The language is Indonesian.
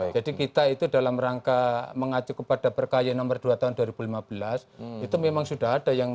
jadi kita itu dalam rangka mengacu kepada per ky nomor dua tahun dua ribu lima belas itu memang sudah ada yang